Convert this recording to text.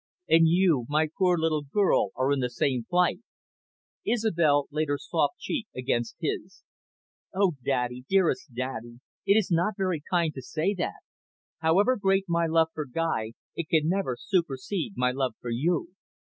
And you, my poor little girl, are in the same plight." Isobel laid her soft cheek against his. "Oh, Daddy, dearest Daddy, it is not very kind to say that. However great my love for Guy, it can never supersede my love for you."